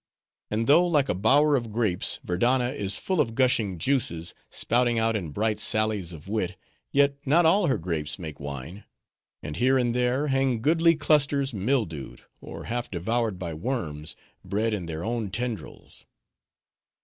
And though like a bower of grapes, Verdanna is full of gushing juices, spouting out in bright sallies of wit, yet not all her grapes make wine; and here and there, hang goodly clusters mildewed; or half devoured by worms, bred in their own tendrils."